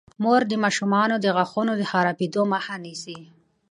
مور د ماشومانو د غاښونو د خرابیدو مخه نیسي.